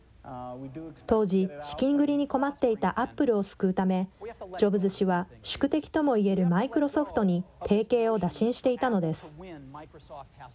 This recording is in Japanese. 当時、資金繰りに困っていたアップルを救うため、ジョブズ氏は宿敵ともいえるマイクロソフトに提携を打診していたのです。